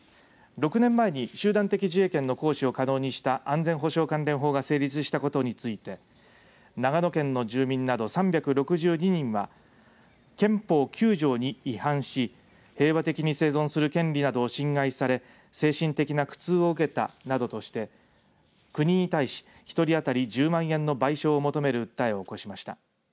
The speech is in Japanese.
６年前、集団的自衛権の行使を可能にした安全保障関連法が成立したことについて長野県の住民など３６２人は憲法９条に違反し平和的に生存する権利などを侵害され精神的な苦痛を受けたなどとして国に対し１人当たり１０万円の賠償を求める訴えを起こしました。